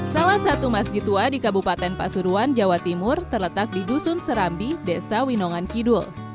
salah satu masjid tua di kabupaten pasuruan jawa timur terletak di dusun serambi desa winongan kidul